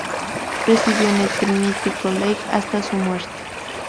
Residió en el Trinity College hasta su muerte.